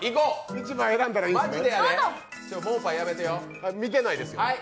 １枚選んだらいいんですね。